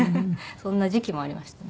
そんな時期もありましたね。